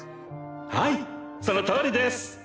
はいそのとおりです。